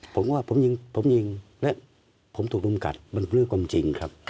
ผมว่าผมยิงผมยิงและผมถูกรุมกัดมันคือเรื่องความจริงครับ